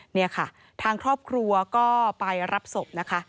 นี่ค่ะทางครอบครัวก็ไปรับศพนะคะ